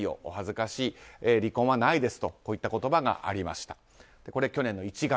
お恥ずかしい離婚はないですといった言葉がありました。